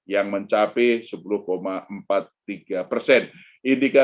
yang mencapai sepuluh empat puluh tiga persen